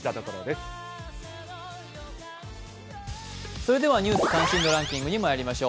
それでは「ニュース関心度ランキング」にまいりましょう。